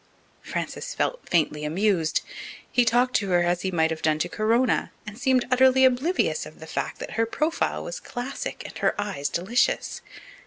Frances felt faintly amused. He talked to her as he might have done to Corona, and seemed utterly oblivious of the fact that her profile was classic and her eyes delicious.